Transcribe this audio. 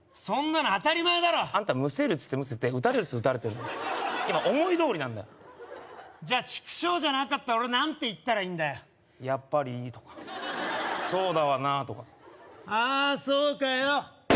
そんなの当たり前だろあんたむせるっつってむせて撃たれるっつって撃たれてんの今思いどおりなんだよじゃあチクショーじゃなかったら俺なんて言ったらいいんだ「やっぱりー」とか「そうだわな」とかああそうかよ